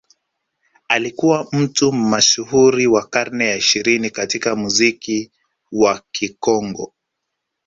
Alikuwa mtu mashuhuri wa karne ya ishirini katika muziki wa Kikongo